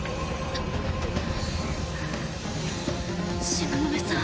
東雲さん。